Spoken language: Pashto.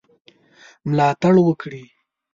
ملاتړ وکړي.